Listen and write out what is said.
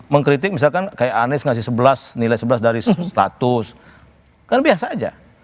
mengkritik misalkan kayak anies ngasih sebelas nilai sebelas dari seratus kan biasa aja